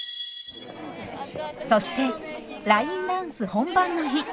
そしてラインダンス本番の日。